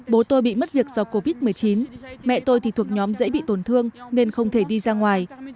bố tôi bị mất việc do covid một mươi chín mẹ tôi thì thuộc nhóm dễ bị tổn thương nên không thể đi ra ngoài